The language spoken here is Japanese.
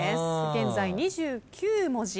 現在２９文字。